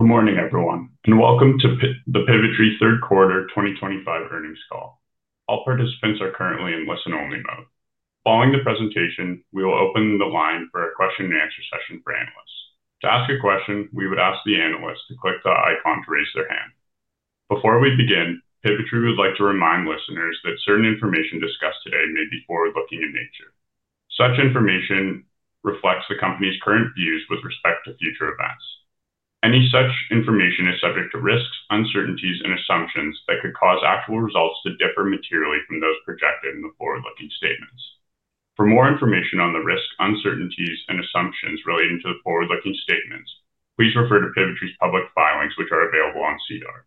Good morning, everyone, and welcome to the Pivotree Third Quarter 2025 earnings call. All participants are currently in listen-only mode. Following the presentation, we will open the line for a question-and-answer session for analysts. To ask a question, we would ask the analyst to click the icon to raise their hand. Before we begin, Pivotree would like to remind listeners that certain information discussed today may be forward-looking in nature. Such information reflects the company's current views with respect to future events. Any such information is subject to risks, uncertainties, and assumptions that could cause actual results to differ materially from those projected in the forward-looking statements. For more information on the risks, uncertainties, and assumptions relating to the forward-looking statements, please refer to Pivotree's public filings, which are available on SEDAR.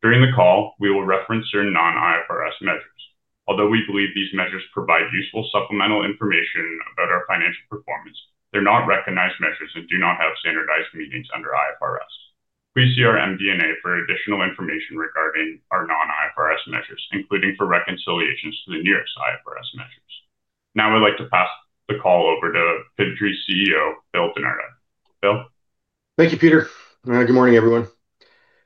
During the call, we will reference certain non-IFRS measures. Although we believe these measures provide useful supplemental information about our financial performance, they're not recognized measures and do not have standardized meanings under IFRS. Please see our MD&A for additional information regarding our non-IFRS measures, including for reconciliations to the nearest IFRS measures. Now, I'd like to pass the call over to Pivotree's CEO, Bill Di Nardo. Bill. Thank you, Peter. Good morning, everyone.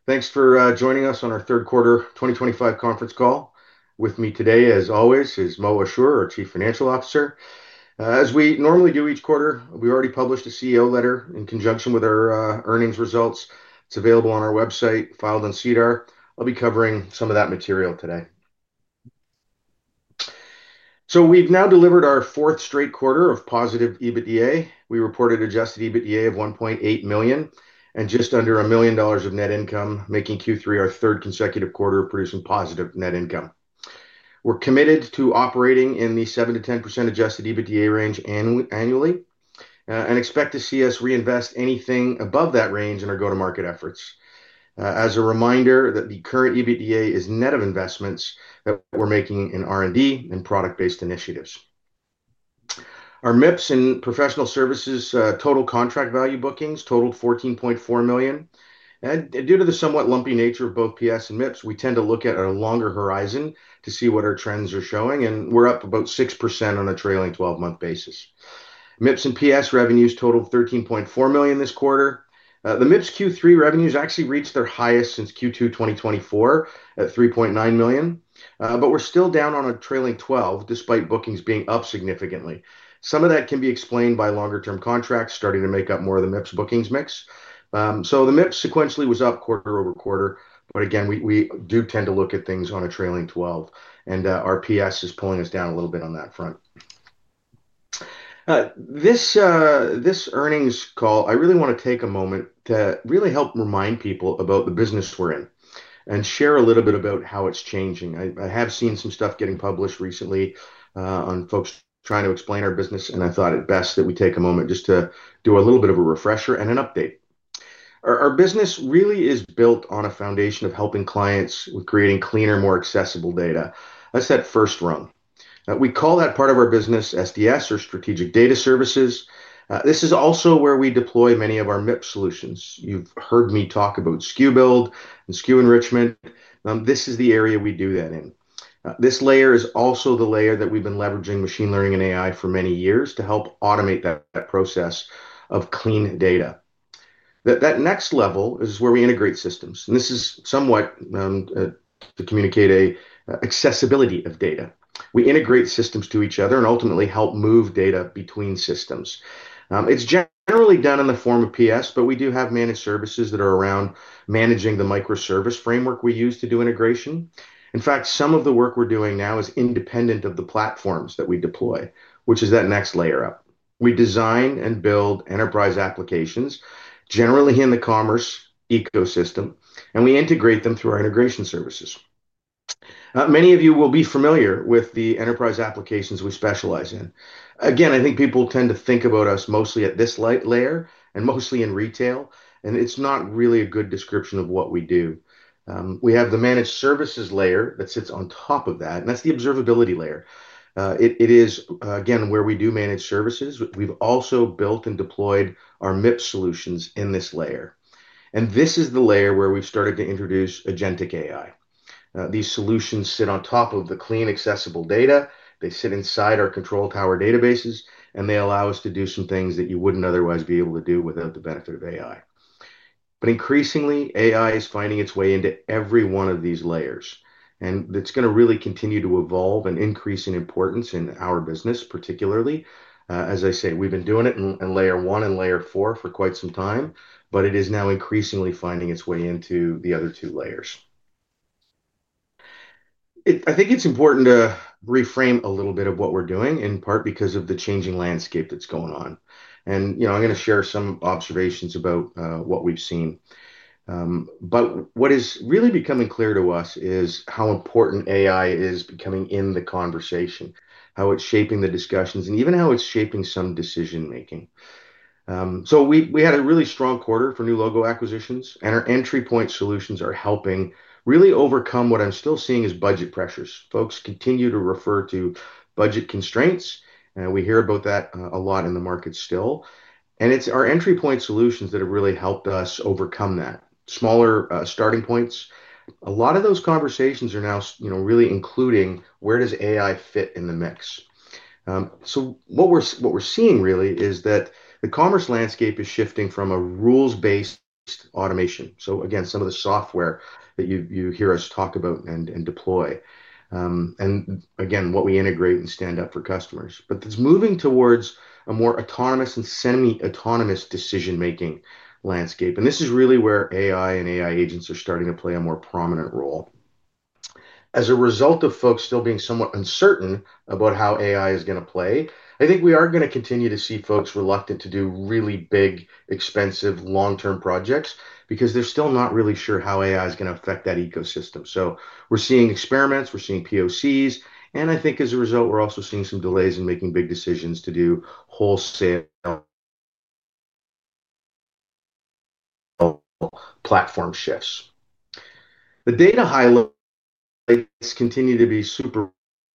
Thanks for joining us on our third quarter 2025 conference call. With me today, as always, is Mo Ashoor, our Chief Financial Officer. As we normally do each quarter, we already published a CEO letter in conjunction with our earnings results. It is available on our website, filed on SEDAR. I will be covering some of that material today. We have now delivered our fourth straight quarter of positive EBITDA. We reported adjusted EBITDA of $1.8 million and just under $1 million of net income, making Q3 our third consecutive quarter of producing positive net income. We are committed to operating in the 7%-10% adjusted EBITDA range annually and expect to see us reinvest anything above that range in our go-to-market efforts. As a reminder, the current EBITDA is net of investments that we are making in R&D and product-based initiatives. Our MIPS and professional services total contract value bookings totaled $14.4 million. Due to the somewhat lumpy nature of both PS and MIPS, we tend to look at a longer horizon to see what our trends are showing, and we're up about 6% on a trailing 12-month basis. MIPS and PS revenues totaled $13.4 million this quarter. The MIPS Q3 revenues actually reached their highest since Q2 2024 at $3.9 million, but we're still down on a trailing 12 despite bookings being up significantly. Some of that can be explained by longer-term contracts starting to make up more of the MIPS bookings mix. The MIPS sequentially was up quarter-over-quarter, but again, we do tend to look at things on a trailing 12, and our PS is pulling us down a little bit on that front. This earnings call, I really want to take a moment to really help remind people about the business we're in and share a little bit about how it's changing. I have seen some stuff getting published recently on folks trying to explain our business, and I thought it best that we take a moment just to do a little bit of a refresher and an update. Our business really is built on a foundation of helping clients with creating cleaner, more accessible data. That's that first rung. We call that part of our business or Strategic Data Services. This is also where we deploy many of our MIPS solutions. You've heard me talk about SKU Build and SKU Enrichment. This is the area we do that in. This layer is also the layer that we've been leveraging machine learning and AI for many years to help automate that process of clean data. That next level is where we integrate systems, and this is somewhat to communicate an accessibility of data. We integrate systems to each other and ultimately help move data between systems. It's generally done in the form of PS, but we do have managed services that are around managing the microservice framework we use to do integration. In fact, some of the work we're doing now is independent of the platforms that we deploy, which is that next layer up. We design and build enterprise applications, generally in the commerce ecosystem, and we integrate them through our integration services. Many of you will be familiar with the enterprise applications we specialize in. Again, I think people tend to think about us mostly at this layer and mostly in retail, and it's not really a good description of what we do. We have the managed services layer that sits on top of that, and that's the observability layer. It is, again, where we do managed services. We've also built and deployed our MIPS solutions in this layer. And this is the layer where we've started to introduce agentic AI. These solutions sit on top of the clean, accessible data. They sit inside our Control Tower databases, and they allow us to do some things that you wouldn't otherwise be able to do without the benefit of AI. But increasingly, AI is finding its way into every one of these layers, and it's going to really continue to evolve and increase in importance in our business, particularly. As I say, we've been doing it in layer one and layer four for quite some time, but it is now increasingly finding its way into the other two layers. I think it's important to reframe a little bit of what we're doing, in part because of the changing landscape that's going on. I'm going to share some observations about what we've seen. What is really becoming clear to us is how important AI is becoming in the conversation, how it's shaping the discussions, and even how it's shaping some decision-making. We had a really strong quarter for new logo acquisitions, and our entry point solutions are helping really overcome what I'm still seeing as budget pressures. Folks continue to refer to budget constraints, and we hear about that a lot in the market still. Our entry point solutions have really helped us overcome that. Smaller starting points, a lot of those conversations are now really including where does AI fit in the mix. What we are seeing really is that the commerce landscape is shifting from a rules-based automation. Some of the software that you hear us talk about and deploy, and what we integrate and stand up for customers. It is moving towards a more autonomous and semi-autonomous decision-making landscape. This is really where AI and AI agents are starting to play a more prominent role. As a result of folks still being somewhat uncertain about how AI is going to play, I think we are going to continue to see folks reluctant to do really big, expensive, long-term projects because they are still not really sure how AI is going to affect that ecosystem. We're seeing experiments, we're seeing POCs, and I think as a result, we're also seeing some delays in making big decisions to do wholesale platform shifts. The data highlights continue to be super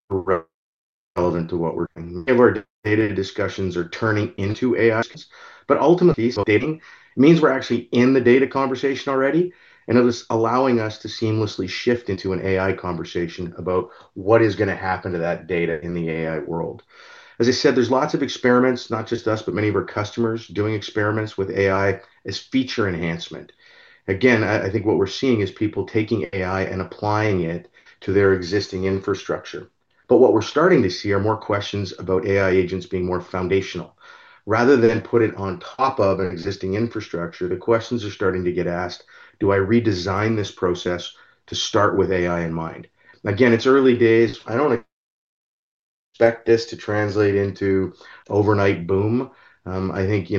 relevant to what we're doing. Many of our data discussions are turning into AI discussions, but ultimately updating. It means we're actually in the data conversation already, and it is allowing us to seamlessly shift into an AI conversation about what is going to happen to that data in the AI world. As I said, there's lots of experiments, not just us, but many of our customers doing experiments with AI as feature enhancement. Again, I think what we're seeing is people taking AI and applying it to their existing infrastructure. What we're starting to see are more questions about AI agents being more foundational. Rather than put it on top of an existing infrastructure, the questions are starting to get asked, do I redesign this process to start with AI in mind? Again, it's early days. I don't expect this to translate into overnight boom. I think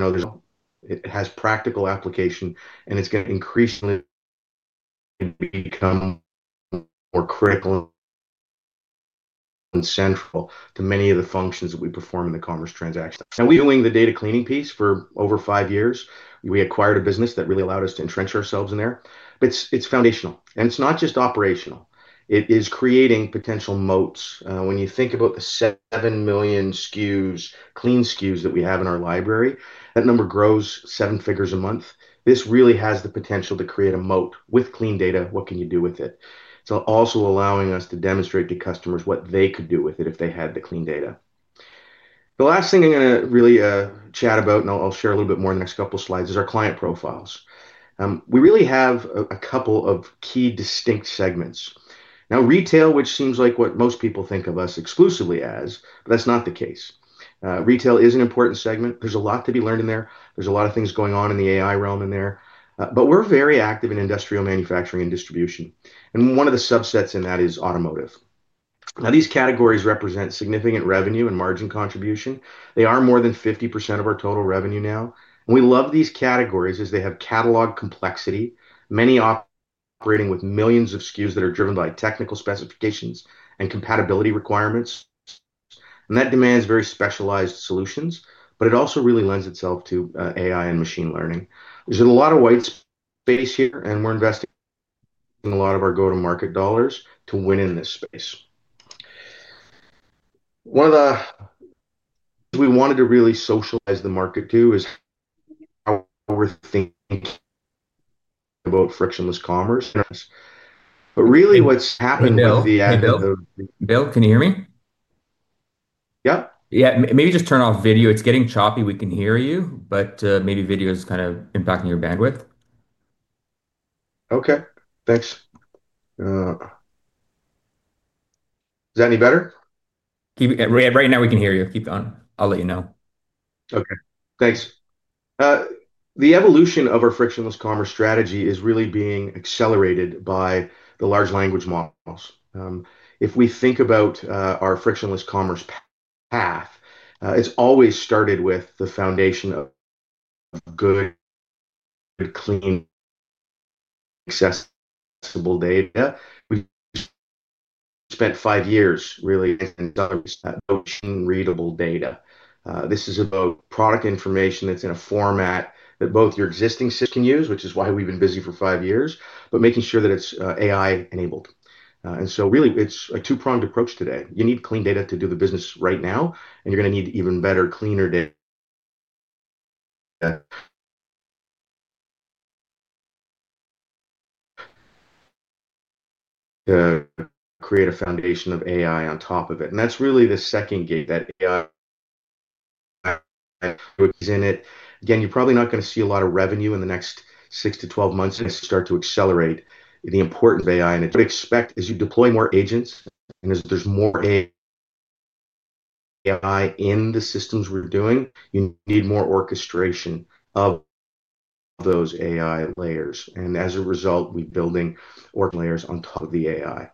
it has practical application, and it's going to increasingly become more critical and central to many of the functions that we perform in the commerce transactions. Now, we've been doing the data cleaning piece for over five years. We acquired a business that really allowed us to entrench ourselves in there. But it's foundational, and it's not just operational. It is creating potential moats. When you think about the 7 million SKUs, clean SKUs that we have in our library, that number grows seven figures a month. This really has the potential to create a moat with clean data. What can you do with it? It's also allowing us to demonstrate to customers what they could do with it if they had the clean data. The last thing I'm going to really chat about, and I'll share a little bit more in the next couple of slides, is our client profiles. We really have a couple of key distinct segments. Now, retail, which seems like what most people think of us exclusively as, but that's not the case. Retail is an important segment. There's a lot to be learned in there. There's a lot of things going on in the AI realm in there. We are very active in industrial manufacturing and distribution. One of the subsets in that is automotive. These categories represent significant revenue and margin contribution. They are more than 50% of our total revenue now. We love these categories as they have catalog complexity, many operating with millions of SKUs that are driven by technical specifications and compatibility requirements. That demands very specialized solutions, but it also really lends itself to AI and machine learning. There is a lot of white space here, and we are investing a lot of our go-to-market dollars to win in this space. One of the things we wanted to really socialize the market to is how we are thinking about frictionless commerce. Really, what has happened with the. Bill, can you hear me? Yeah. Yeah. Maybe just turn off video. It's getting choppy. We can hear you, but maybe video is kind of impacting your bandwidth. Okay. Thanks. Is that any better? Right now, we can hear you. Keep going. I'll let you know. Okay. Thanks. The evolution of our frictionless commerce strategy is really being accelerated by the large language models. If we think about our frictionless commerce path, it has always started with the foundation of good, clean, accessible data. We spent five years really in selling notion-readable data. This is about product information that is in a format that both your existing system can use, which is why we have been busy for five years, but making sure that it is AI-enabled. It is really a two-pronged approach today. You need clean data to do the business right now, and you are going to need even better, cleaner data to create a foundation of AI on top of it. That is really the second gate that AI is in it. Again, you're probably not going to see a lot of revenue in the next six to 12 months as we start to accelerate the importance of AI. I would expect as you deploy more agents and as there's more AI in the systems we're doing, you need more orchestration of those AI layers. As a result, we're building orchestration layers on top of the AI.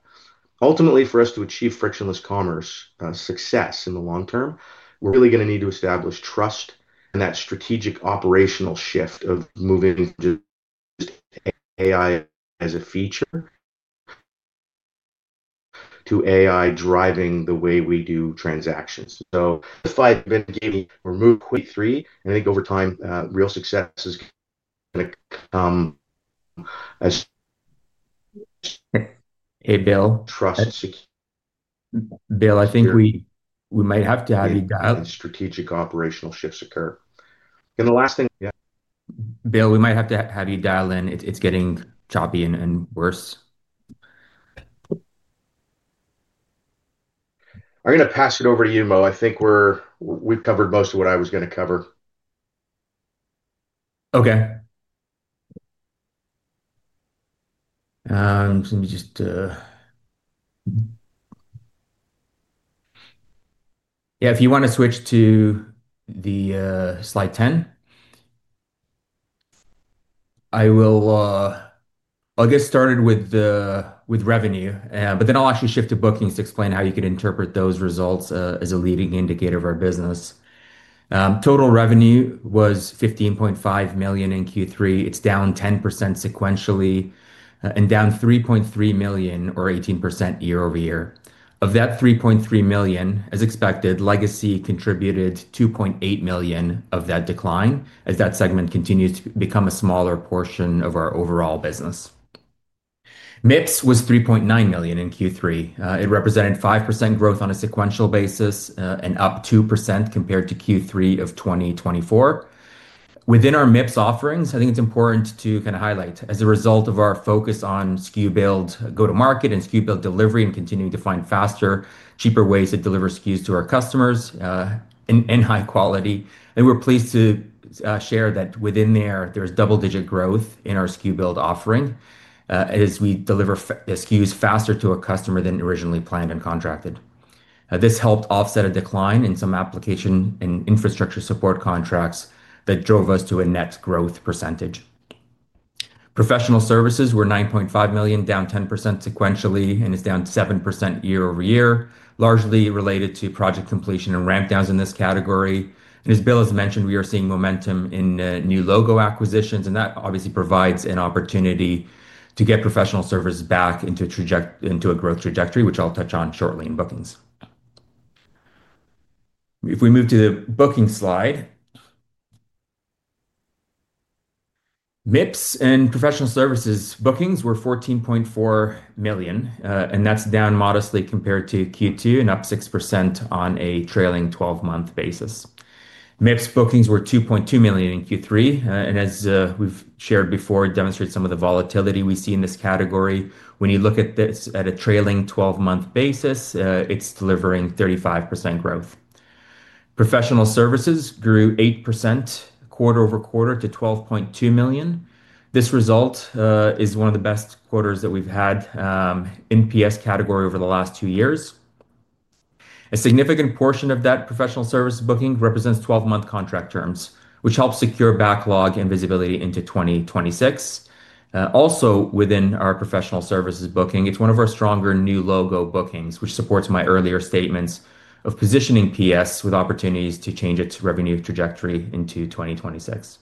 Ultimately, for us to achieve frictionless commerce success in the long-term, we're really going to need to establish trust and that strategic operational shift of moving just AI as a feature to AI driving the way we do transactions. If I then gave you or move Q3, I think over time, real success is going to come as. Hey, Bill. Trust. Bill, I think we might have to have you dial in. Strategic operational shifts occur. The last thing. Bill, we might have to have you dial in. It's getting choppy and worse. I'm going to pass it over to you, Mo. I think we've covered most of what I was going to cover. Okay. Let me just. Yeah. If you want to switch to the slide 10, I'll get started with revenue, but then I'll actually shift to bookings to explain how you can interpret those results as a leading indicator of our business. Total revenue was $15.5 million in Q3. It's down 10% sequentially and down $3.3 million or 18% year-over-year. Of that $3.3 million, as expected, legacy contributed $2.8 million of that decline as that segment continues to become a smaller portion of our overall business. MIPS was $3.9 million in Q3. It represented 5% growth on a sequential basis and up 2% compared to Q3 of 2024. Within our MIPS offerings, I think it's important to kind of highlight, as a result of our focus on SKU Build, go-to-market, and SKU Build delivery and continuing to find faster, cheaper ways to deliver SKUs to our customers in high quality. We're pleased to share that within there, there's double-digit growth in our SKU Build offering as we deliver SKUs faster to a customer than originally planned and contracted. This helped offset a decline in some application and infrastructure support contracts that drove us to a net growth percentage. Professional services were $9.5 million, down 10% sequentially, and is down 7% year-over-year, largely related to project completion and ramp-downs in this category. As Bill has mentioned, we are seeing momentum in new logo acquisitions, and that obviously provides an opportunity to get professional service back into a growth trajectory, which I'll touch on shortly in bookings. If we move to the booking slide, MIPS and professional services bookings were $14.4 million, and that's down modestly compared to Q2 and up 6% on a trailing 12-month basis. MIPS bookings were $2.2 million in Q3, and as we've shared before, it demonstrates some of the volatility we see in this category. When you look at this at a trailing 12-month basis, it's delivering 35% growth. Professional services grew 8% quarter-over-quarter to $12.2 million. This result is one of the best quarters that we've had in the PS category over the last two years. A significant portion of that professional service booking represents 12-month contract terms, which helps secure backlog and visibility into 2026. Also, within our professional services booking, it's one of our stronger new logo bookings, which supports my earlier statements of positioning PS with opportunities to change its revenue trajectory into 2026.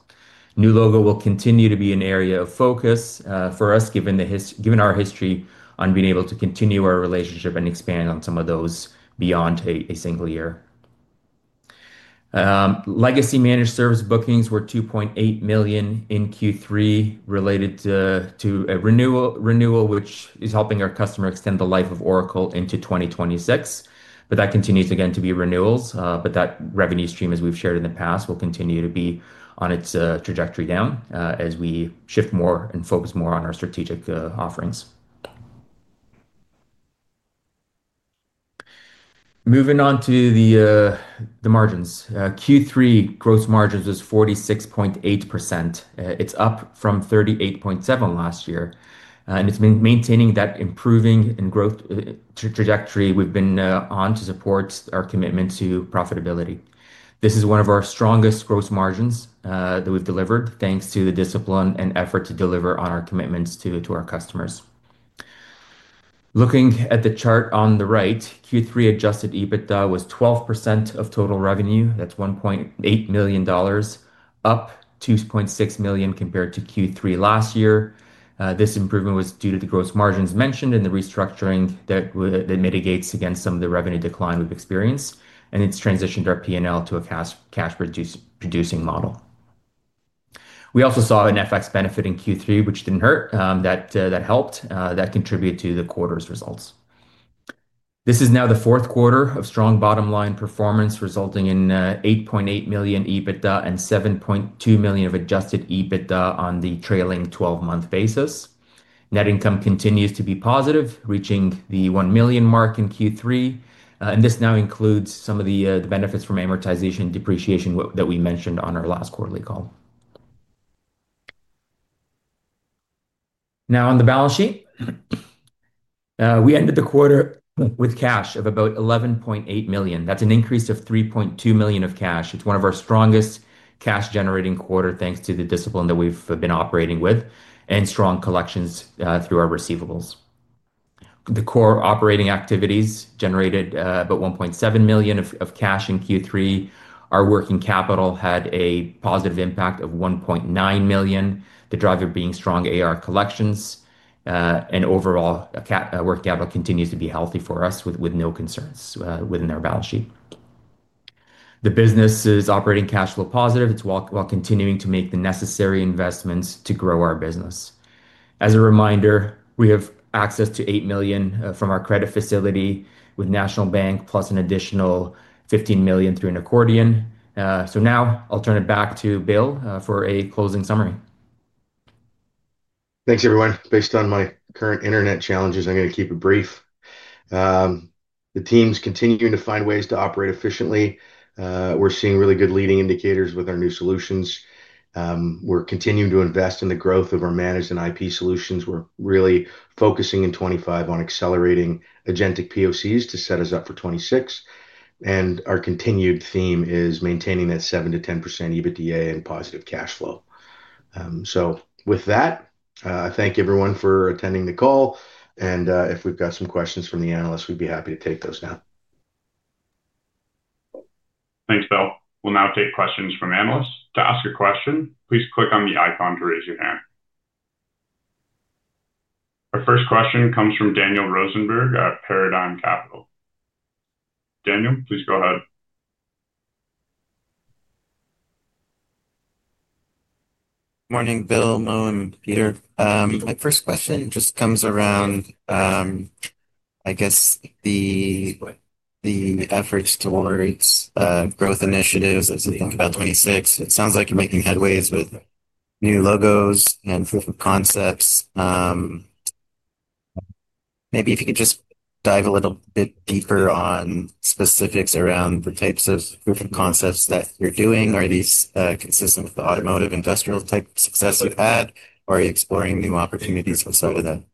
New logo will continue to be an area of focus for us, given our history on being able to continue our relationship and expand on some of those beyond a single year. Legacy managed service bookings were $2.8 million in Q3 related to a renewal, which is helping our customer extend the life of Oracle into 2026. That continues again to be renewals. That revenue stream, as we've shared in the past, will continue to be on its trajectory down as we shift more and focus more on our strategic offerings. Moving on to the margins. Q3 gross margins was 46.8%. It's up from 38.7% last year. It's been maintaining that improving and growth trajectory we've been on to support our commitment to profitability. This is one of our strongest gross margins that we've delivered, thanks to the discipline and effort to deliver on our commitments to our customers. Looking at the chart on the right, Q3 adjusted EBITDA was 12% of total revenue. That's $1.8 million, up $2.6 million compared to Q3 last year. This improvement was due to the gross margins mentioned and the restructuring that mitigates against some of the revenue decline we've experienced, and it's transitioned our P&L to a cash-producing model. We also saw an FX benefit in Q3, which didn't hurt. That helped. That contributed to the quarter's results. This is now the fourth quarter of strong bottom-line performance, resulting in $8.8 million EBITDA and $7.2 million of adjusted EBITDA on the trailing 12-month basis. Net income continues to be positive, reaching the $1 million mark in Q3. This now includes some of the benefits from amortization and depreciation that we mentioned on our last quarterly call. Now, on the balance sheet, we ended the quarter with cash of about $11.8 million. That is an increase of $3.2 million of cash. It is one of our strongest cash-generating quarters, thanks to the discipline that we have been operating with and strong collections through our receivables. The core operating activities generated about $1.7 million of cash in Q3. Our working capital had a positive impact of $1.9 million to drive our being strong AR collections. Overall, working capital continues to be healthy for us with no concerns within our balance sheet. The business is operating cash flow positive. It's while continuing to make the necessary investments to grow our business. As a reminder, we have access to $8 million from our credit facility with National Bank, plus an additional $15 million through an accordion. Now, I'll turn it back to Bill for a closing summary. Thanks, everyone. Based on my current internet challenges, I'm going to keep it brief. The team's continuing to find ways to operate efficiently. We're seeing really good leading indicators with our new solutions. We're continuing to invest in the growth of our managed and IP solutions. We're really focusing in 2025 on accelerating agentic POCs to set us up for 2026. Our continued theme is maintaining that 7%-10% EBITDA and positive cash flow. I thank everyone for attending the call. If we've got some questions from the analysts, we'd be happy to take those now. Thanks, Bill. We'll now take questions from analysts. To ask a question, please click on the icon to raise your hand. Our first question comes from Daniel Rosenberg at Paradigm Capital. Daniel, please go ahead. Morning, Bill, Mo, and Peter. My first question just comes around, I guess, the efforts towards growth initiatives as we think about 2026. It sounds like you're making headways with new logos and proof of concepts. Maybe if you could just dive a little bit deeper on specifics around the types of proof of concepts that you're doing. Are these consistent with the automotive industrial type success you've had, or are you exploring new opportunities for some of them?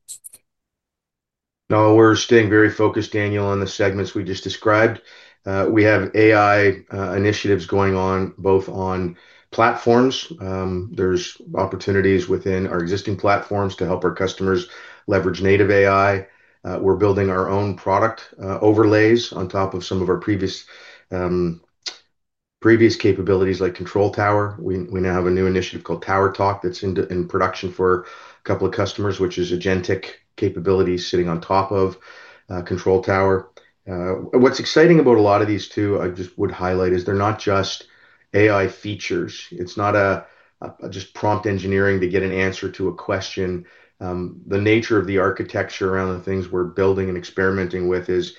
No, we're staying very focused, Daniel, on the segments we just described. We have AI initiatives going on both on platforms. There's opportunities within our existing platforms to help our customers leverage native AI. We're building our own product overlays on top of some of our previous capabilities like Control Tower. We now have a new initiative called TowerTalk that's in production for a couple of customers, which is agentic capabilities sitting on top of Control Tower. What's exciting about a lot of these too, I just would highlight, is they're not just AI features. It's not just prompt engineering to get an answer to a question. The nature of the architecture around the things we're building and experimenting with is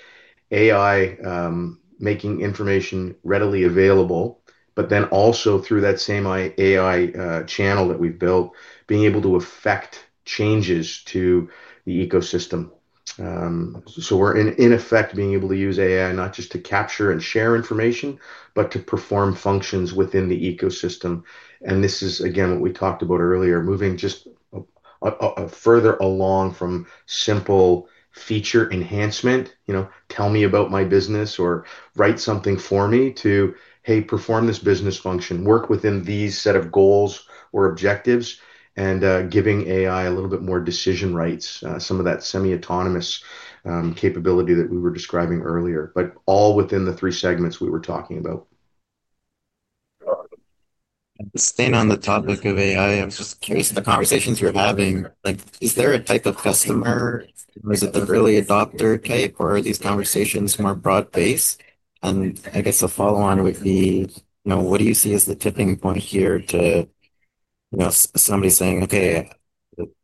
AI making information readily available, but then also through that same AI channel that we've built, being able to affect changes to the ecosystem. We're, in effect, being able to use AI not just to capture and share information, but to perform functions within the ecosystem. This is, again, what we talked about earlier, moving just further along from simple feature enhancement, "Tell me about my business," or "Write something for me," to, "Hey, perform this business function, work within these set of goals or objectives," and giving AI a little bit more decision rights, some of that semi-autonomous capability that we were describing earlier, but all within the three segments we were talking about. Staying on the topic of AI, I'm just curious of the conversations you're having. Is there a type of customer, or is it the early adopter type, or are these conversations more broad-based? I guess the follow-on would be, what do you see as the tipping point here to somebody saying, "Okay,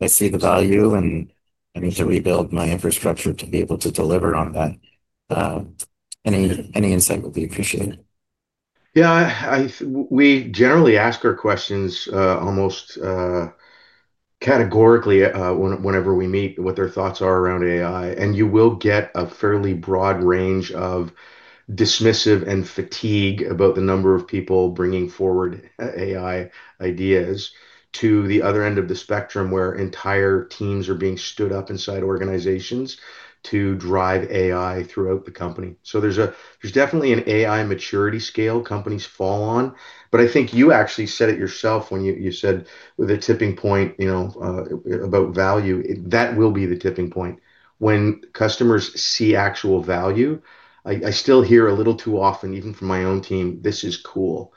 I see the value, and I need to rebuild my infrastructure to be able to deliver on that"? Any insight would be appreciated. Yeah. We generally ask our questions almost categorically whenever we meet what their thoughts are around AI. You will get a fairly broad range of dismissive and fatigue about the number of people bringing forward AI ideas to the other end of the spectrum where entire teams are being stood up inside organizations to drive AI throughout the company. There is definitely an AI maturity scale companies fall on. I think you actually said it yourself when you said the tipping point about value. That will be the tipping point. When customers see actual value, I still hear a little too often, even from my own team, "This is cool."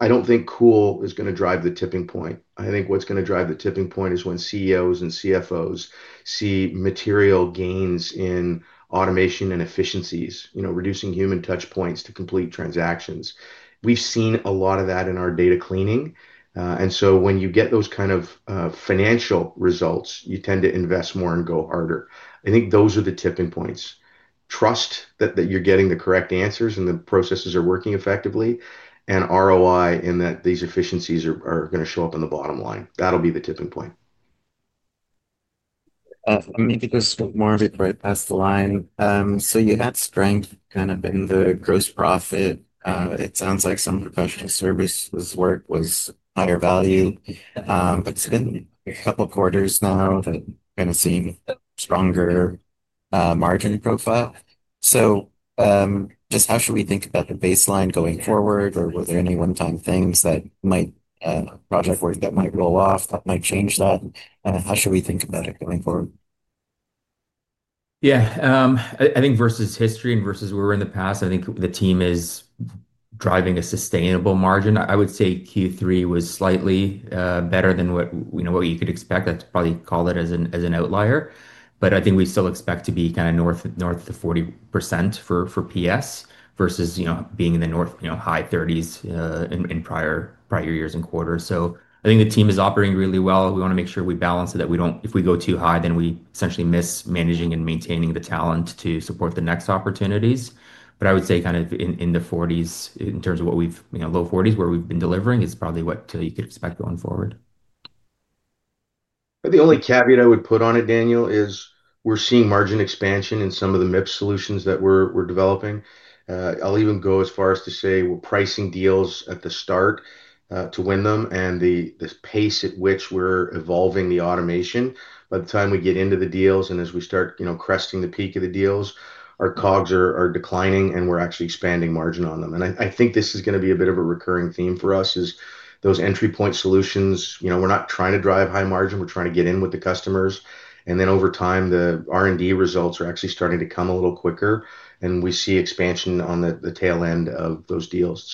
I do not think cool is going to drive the tipping point. I think what's going to drive the tipping point is when CEOs and CFOs see material gains in automation and efficiencies, reducing human touch points to complete transactions. We've seen a lot of that in our data cleaning. When you get those kind of financial results, you tend to invest more and go harder. I think those are the tipping points. Trust that you're getting the correct answers and the processes are working effectively, and ROI in that these efficiencies are going to show up on the bottom line. That'll be the tipping point. I maybe just walk more of it right past the line. You had strength kind of in the gross profit. It sounds like some professional services work was higher value. It has been a couple of quarters now that kind of seem stronger margin profile. Just how should we think about the baseline going forward, or were there any one-time things that might project work that might roll off that might change that? How should we think about it going forward? Yeah. I think versus history and versus where we were in the past, I think the team is driving a sustainable margin. I would say Q3 was slightly better than what you could expect. I'd probably call it as an outlier. I think we still expect to be kind of north of 40% for PS versus being in the high 30% in prior years and quarters. I think the team is operating really well. We want to make sure we balance it that if we go too high, then we essentially miss managing and maintaining the talent to support the next opportunities. I would say kind of in the 40% in terms of what we've, low 40% where we've been delivering, is probably what you could expect going forward. The only caveat I would put on it, Daniel, is we're seeing margin expansion in some of the MIPS solutions that we're developing. I'll even go as far as to say we're pricing deals at the start to win them and the pace at which we're evolving the automation. By the time we get into the deals and as we start cresting the peak of the deals, our COGS are declining and we're actually expanding margin on them. I think this is going to be a bit of a recurring theme for us is those entry point solutions. We're not trying to drive high margin. We're trying to get in with the customers. Over time, the R&D results are actually starting to come a little quicker. We see expansion on the tail end of those deals.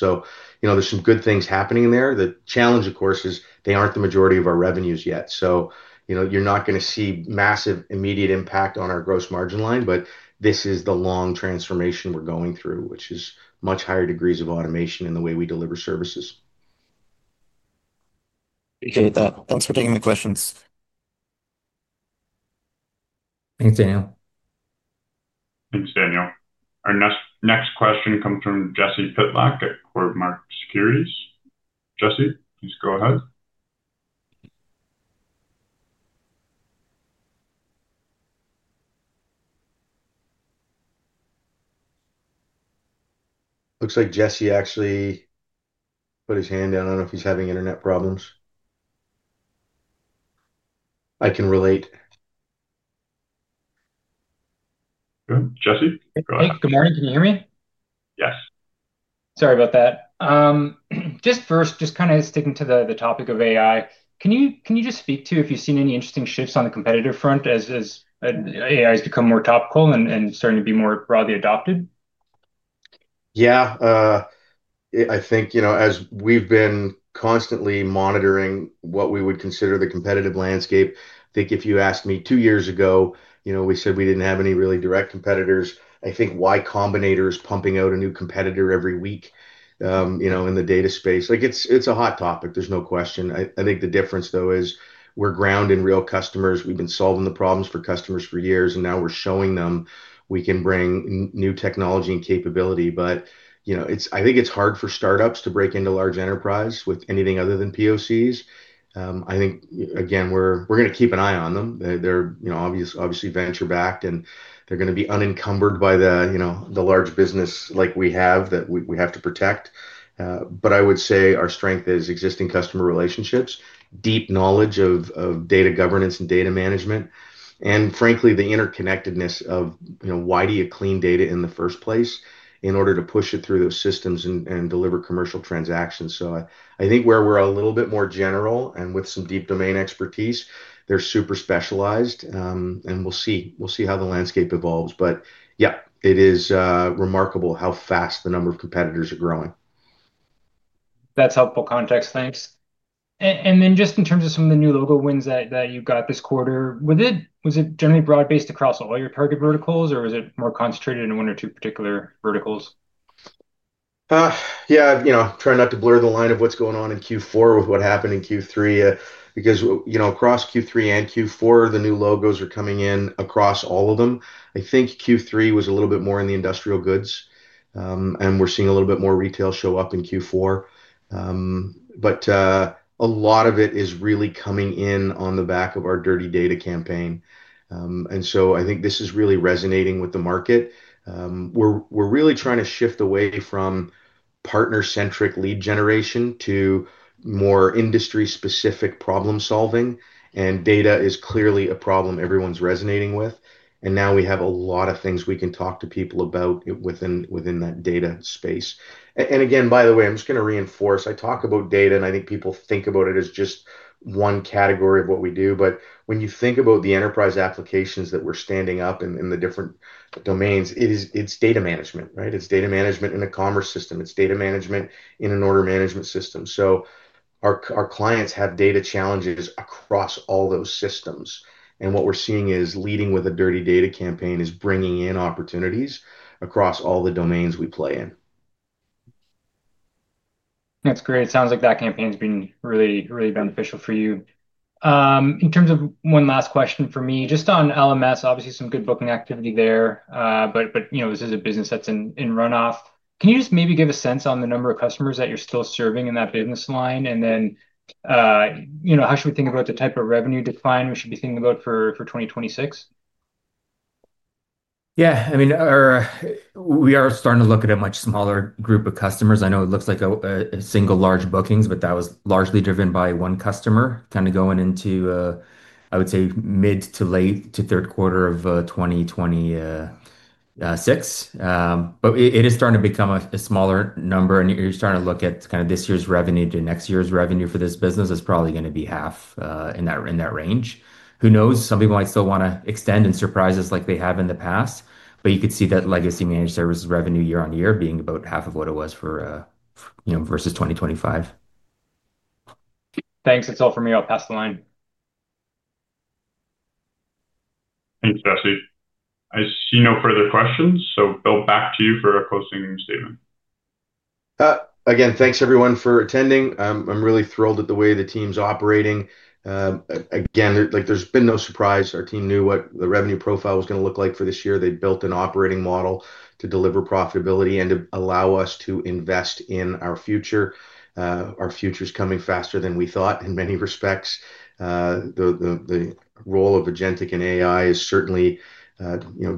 There's some good things happening there. The challenge, of course, is they aren't the majority of our revenues yet. So you're not going to see massive immediate impact on our gross margin line, but this is the long transformation we're going through, which is much higher degrees of automation in the way we deliver services. Appreciate that. Thanks for taking the questions. Thanks, Daniel. Thanks, Daniel. Our next question comes from Jesse Pytlak at Cormark Securities. Jesse, please go ahead. Looks like Jesse actually put his hand down. I do not know if he is having internet problems. I can relate. Good. Jesse, go ahead. Hey, good morning. Can you hear me? Yes. Sorry about that. Just first, just kind of sticking to the topic of AI, can you just speak to if you've seen any interesting shifts on the competitive front as AI has become more topical and starting to be more broadly adopted? Yeah. I think as we've been constantly monitoring what we would consider the competitive landscape, I think if you asked me two years ago, we said we didn't have any really direct competitors. I think Y Combinator is pumping out a new competitor every week in the data space. It's a hot topic. There's no question. I think the difference, though, is we're ground in real customers. We've been solving the problems for customers for years, and now we're showing them we can bring new technology and capability. I think it's hard for startups to break into large enterprise with anything other than POCs. I think, again, we're going to keep an eye on them. They're obviously venture-backed, and they're going to be unencumbered by the large business like we have that we have to protect. I would say our strength is existing customer relationships, deep knowledge of data governance and data management, and frankly, the interconnectedness of why do you clean data in the first place in order to push it through those systems and deliver commercial transactions. I think where we're a little bit more general and with some deep domain expertise, they're super specialized. We'll see how the landscape evolves. Yeah, it is remarkable how fast the number of competitors are growing. That's helpful context. Thanks. Just in terms of some of the new logo wins that you've got this quarter, was it generally broad-based across all your target verticals, or was it more concentrated in one or two particular verticals? Yeah. Trying not to blur the line of what's going on in Q4 with what happened in Q3 because across Q3 and Q4, the new logos are coming in across all of them. I think Q3 was a little bit more in the industrial goods, and we're seeing a little bit more retail show up in Q4. A lot of it is really coming in on the back of our dirty data campaign. I think this is really resonating with the market. We're really trying to shift away from partner-centric lead generation to more industry-specific problem-solving. Data is clearly a problem everyone's resonating with. Now we have a lot of things we can talk to people about within that data space. Again, by the way, I'm just going to reinforce. I talk about data, and I think people think about it as just one category of what we do. When you think about the enterprise applications that we're standing up in the different domains, it's data management, right? It's data management in a commerce system. It's data management in an order management system. Our clients have data challenges across all those systems. What we're seeing is leading with a dirty data campaign is bringing in opportunities across all the domains we play in. That's great. It sounds like that campaign's been really, really beneficial for you. In terms of one last question for me, just on LMS, obviously some good booking activity there, but this is a business that's in runoff. Can you just maybe give a sense on the number of customers that you're still serving in that business line? And then how should we think about the type of revenue decline we should be thinking about for 2026? Yeah. I mean, we are starting to look at a much smaller group of customers. I know it looks like a single large bookings, but that was largely driven by one customer kind of going into, I would say, mid to late to third quarter of 2026. It is starting to become a smaller number. You're starting to look at kind of this year's revenue to next year's revenue for this business. It's probably going to be half in that range. Who knows? Some people might still want to extend and surprise us like they have in the past. You could see that legacy managed service revenue year on year being about half of what it was for versus 2025. Thanks. That's all from me. I'll pass the line. Thanks, Jesse. I see no further questions. Bill, back to you for a closing statement. Again, thanks everyone for attending. I'm really thrilled at the way the team's operating. Again, there's been no surprise. Our team knew what the revenue profile was going to look like for this year. They built an operating model to deliver profitability and to allow us to invest in our future. Our future's coming faster than we thought in many respects. The role of agentic and AI is certainly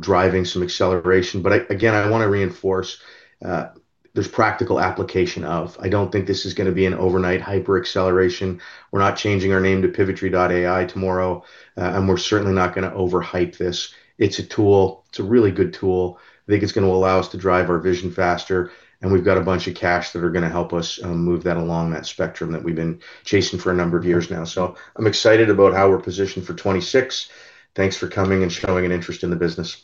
driving some acceleration. Again, I want to reinforce there's practical application of. I don't think this is going to be an overnight hyper-acceleration. We're not changing our name to Pivotree.AI tomorrow, and we're certainly not going to overhype this. It's a tool. It's a really good tool. I think it's going to allow us to drive our vision faster. We have got a bunch of cash that are going to help us move that along that spectrum that we have been chasing for a number of years now. I am excited about how we are positioned for 2026. Thanks for coming and showing an interest in the business.